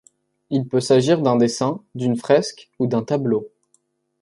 Il peut s'agir d'un dessin, d'une fresque ou d'un tableau.